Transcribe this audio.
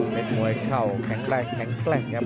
เป็นมวยเข่าแข็งแรงแข็งแกร่งครับ